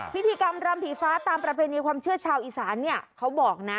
พิธีกรรมรำผีฟ้าตามประเพณีความเชื่อชาวอีสานเนี่ยเขาบอกนะ